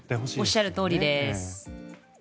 おっしゃるとおりです。